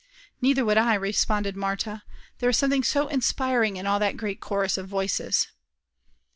"Neither would I," responded Marta. "There is something so inspiring in all that great chorus of voices."